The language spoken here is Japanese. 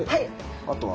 あとは。